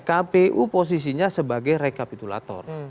kpu posisinya sebagai rekapitulator